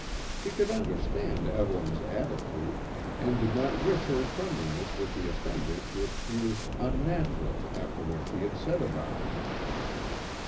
She could understand Evelyn's attitude and did not wish her friendliness with the offender to appear unnatural after what she had said about him.